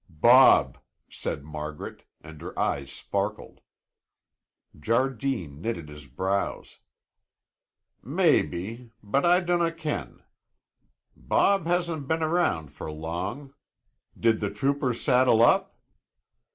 "Bob," said Margaret and her eyes sparkled. Jardine knitted his brows. "Maybe, but I dinna ken; Bob hasna been around for long. Did the troopers saddle up?"